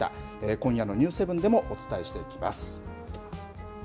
今夜のニュース７でもお伝えしていきます。